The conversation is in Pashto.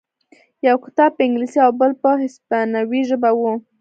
یو کتاب په انګلیسي او بل په هسپانوي ژبه و